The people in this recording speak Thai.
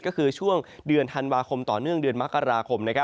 ก็คือช่วงเดือนธันวาคมต่อเนื่องเดือนมกราคม